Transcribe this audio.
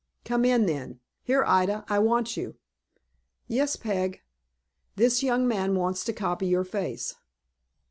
"Come in, then. Here, Ida, I want you." "Yes, Peg." "This young man wants to copy your face."